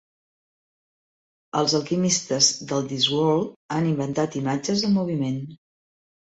Els alquimistes del Discworld han inventat imatges en moviment.